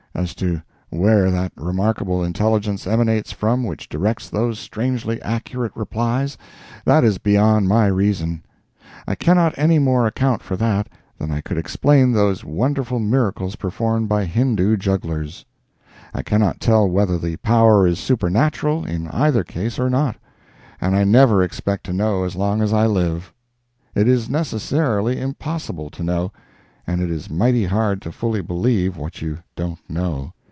As to where that remarkable intelligence emanates from which directs those strangely accurate replies, that is beyond my reason. I cannot any more account for that than I could explain those wonderful miracles performed by Hindoo jugglers. I cannot tell whether the power is supernatural in either case or not, and I never expect to know as long as I live. It is necessarily impossible to know—and it is mighty hard to fully believe what you don't know.